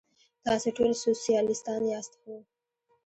تاسې ټول سوسیالیستان یاست؟ هو.